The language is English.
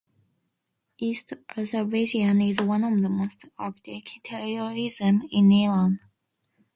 East Azerbaijan is one of the most archaic territories in Iran.